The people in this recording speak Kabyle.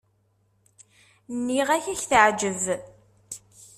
Nniɣ-ak ad k-teɛjeb.